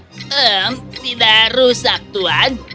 hmm tidak rusak tuan